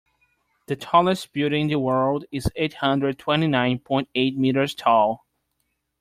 The tallest building in the world is eight hundred twenty nine point eight meters tall.